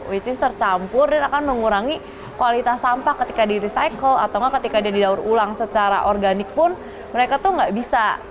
which is tercampur dan akan mengurangi kualitas sampah ketika di recycle atau ketika dia didaur ulang secara organik pun mereka tuh nggak bisa